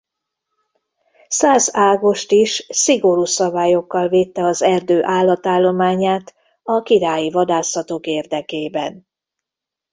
Szász Ágost is szigorú szabályokkal védte az erdő állatállományát a királyi vadászatok érdekében.